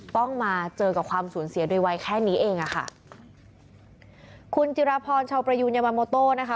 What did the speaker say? ต้องมาเจอกับความสูญเสียโดยวัยแค่นี้เองอ่ะค่ะคุณจิราพรชาวประยูนยาบาโมโต้นะคะ